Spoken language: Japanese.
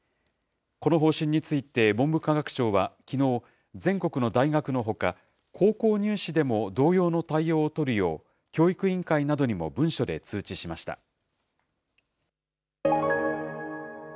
この方針について文部科学省はきのう、全国の大学のほか、高校入試でも同様の対応を取るよう、教育委員会などにも文書で通知しました。